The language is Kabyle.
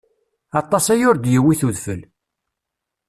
Aṭas aya ur d-yewwit udfel.